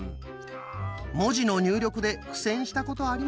文字の入力で苦戦したことありません？